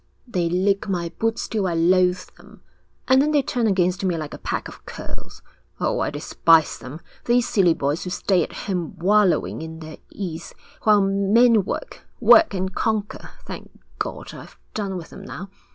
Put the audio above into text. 'They lick my boots till I loathe them, and then they turn against me like a pack of curs. Oh, I despise them, these silly boys who stay at home wallowing in their ease, while men work work and conquer. Thank God, I've done with them now.